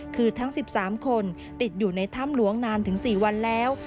คือทั้ง๑๓คนติดอยู่ในถ้ำหลวงนานถึง๔วันแล้ว